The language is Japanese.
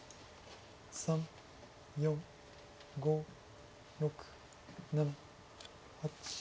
３４５６７８。